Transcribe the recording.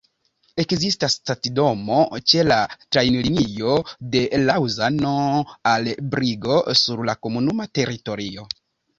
Ekzistas stacidomo ĉe la trajnlinio de Laŭzano al Brigo sur la komunuma teritorio.